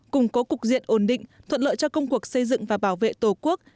củng cố cục diện ổn định thuận lợi cho công cuộc xây dựng và bảo vệ tổ quốc